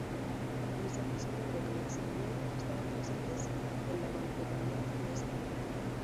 Ni Segismundo ni Maximiliano estaban presentes en la Mancomunidad en ese momento.